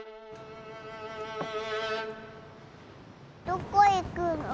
どこへ行くの？